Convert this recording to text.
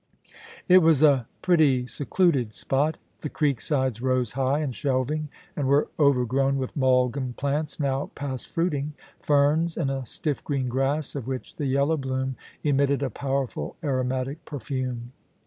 It was a pretty, secluded spot The creek sides rose high and shelving, and were overgrown with mulgam plants now past fruiting, ferns, and a stiff green grass, of which the yellow bloom emitted a powerful aromatic perfume.